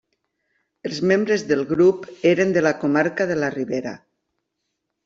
Els membres del grup eren de la comarca de la Ribera.